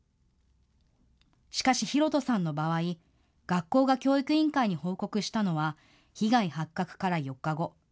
しかしヒロトさんの場合、学校が教育委員会に報告したのは被害発覚から４日後。